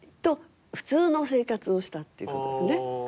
普通の生活をしたってことですね。